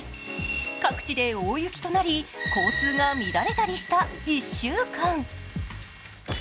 各地で大雪となり、交通が乱れたりした１週間。